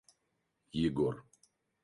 Егор